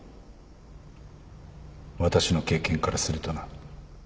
私の経験からするとな。